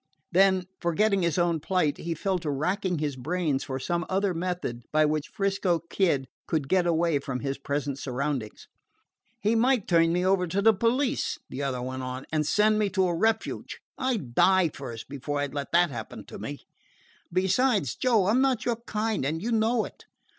Then, forgetting his own plight, he fell to racking his brains for some other method by which 'Frisco Kid could get away from his present surroundings. "He might turn me over to the police," the other went on, "and send me to a refuge. I 'd die first, before I 'd let that happen to me. And besides, Joe, I 'm not of your kind, and you know it.